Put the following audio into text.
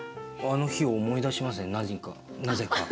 あの日を思い出しますねなぜか。